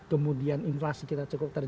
kemudian inflasi kita cukup